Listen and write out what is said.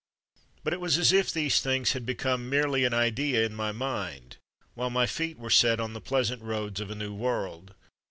But it was as if these things had become merely an idea in my mind, while my feet were set on the pleasant roads of a new world.